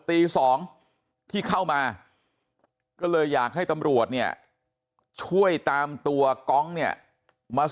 ตี๒ที่เข้ามาก็เลยอยากให้ตำรวจเนี่ยช่วยตามตัวกองเนี่ยมา